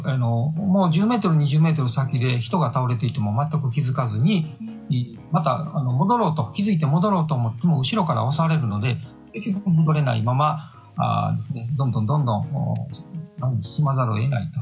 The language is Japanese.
１０ｍ、２０ｍ先で人が倒れていても全く気付かずに気付いて戻ろうと思っても後ろから押されるので結局戻れないままどんどん進まざるを得ないと。